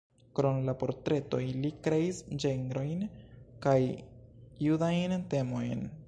Krom la portretoj li kreis ĝenrojn kaj judajn temojn.